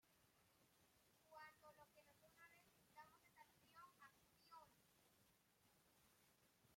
Cuando lo que nosotros necesitamos es acción, ¡acción!".